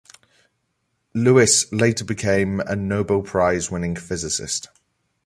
Luis later became a Nobel Prize-winning physicist.